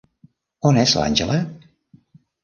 On és l'Àngela?